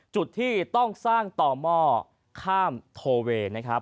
จุดที่ต้องสร้างต่อหม้อข้ามโทเวย์นะครับ